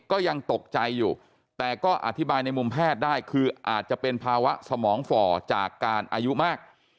ก็ยังตกใจอยู่แต่ก็อธิบายในมุมแพทย์ได้คืออาจจะเป็นภาวะสมองฝ่อจากการอายุมาก